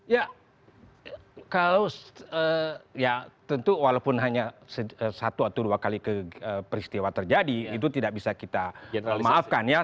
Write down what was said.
ya kalau ya tentu walaupun hanya satu atau dua kali peristiwa terjadi itu tidak bisa kita maafkan ya